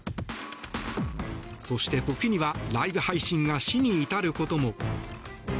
そして、時にはライブ配信が死に至ることも。